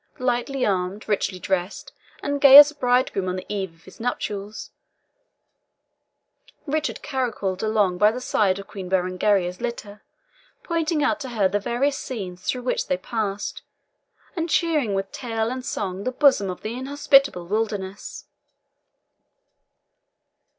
Lightly armed, richly dressed, and gay as a bridegroom on the eve of his nuptials, Richard caracoled along by the side of Queen Berengaria's litter, pointing out to her the various scenes through which they passed, and cheering with tale and song the bosom of the inhospitable wilderness.